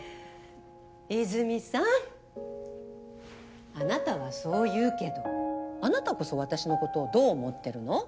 いづみさんあなたはそう言うけどあなたこそ私のことをどう思ってるの？